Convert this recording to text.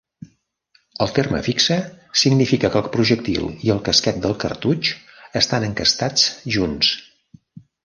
El terme "fixe" significa que el projectil i el casquet del cartutx estan encastats junts.